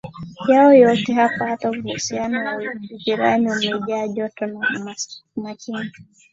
yao yote Hapa hata uhusiano wa ujirani umejaa joto na umakini